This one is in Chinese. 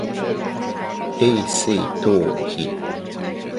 永雏塔菲